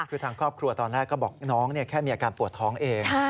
คือทางครอบครัวตอนแรกก็บอกน้องแค่มีอาการปวดท้องเอง